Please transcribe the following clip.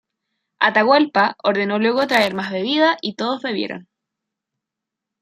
Atahualpa ordenó luego traer más bebida y todos bebieron.